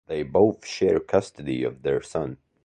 They both share custody of their son.